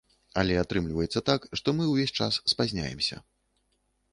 Але атрымлівацца так, што мы ўвесь час спазняемся.